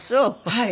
はい。